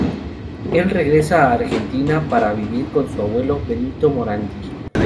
Él regresa a Argentina para vivir con su abuelo, Benito Morandi.